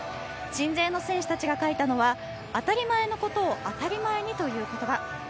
鎮西の選手たちが書いたのは当たり前のことを当たり前にという言葉。